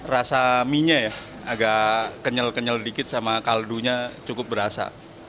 rasa mie nya ya agak kenyal kenyal dikit sama kaldunya cukup berasa